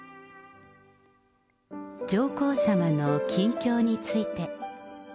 上皇さまの近況について。